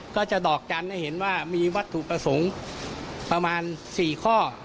ก็จะดอกจันทร์ให้เห็นว่ามีวัตถุประสงค์ประมาณ๔ข้อ